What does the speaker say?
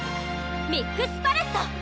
ミックスパレット！